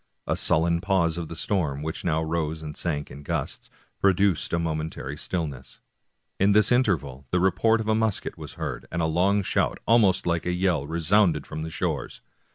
A sullen pause of the storm, which now rose and sank in gusts, produced a momentary stillness. In this interval the report of a musket was heard, and a long shout, almost like a yell, resounded from the shores.